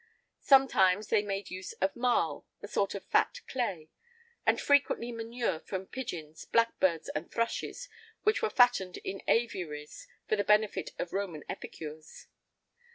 Sometimes they made use of marl, a sort of fat clay;[I 35] and frequently manure from pigeons, blackbirds, and thrushes, which were fattened in aviaries[I 36] for the benefit of Roman epicures.